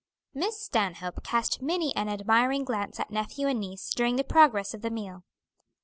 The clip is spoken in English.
Miss Stanhope cast many an admiring glance at nephew and niece during the progress of the meal.